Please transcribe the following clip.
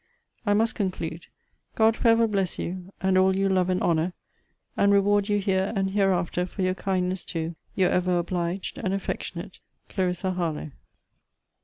I must conclude God for ever bless you, and all you love and honour, and reward you here and hereafter for your kindness to Your ever obliged and affectionate CLARISSA HARLOWE.